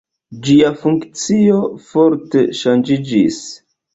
Ĝia funkcio forte ŝanĝiĝis.